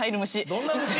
どんな虫？